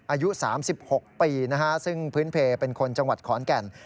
อายุ๓๖ปีนะฮะซึ่งพื้นเพลเป็นคนจังหวัดขอนแก่น